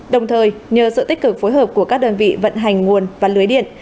đồng thời nhờ sự tích cực phối hợp của các đơn vị vận hành nguồn và lưới điện